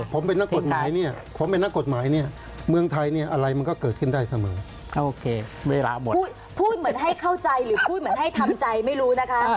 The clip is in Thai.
พูดเหมือนให้เข้าใจหรือพูดเหมือนให้ทำใจไม่รู้นะคะ